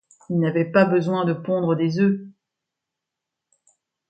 Il n'avait pas besoin de pondre des œufs.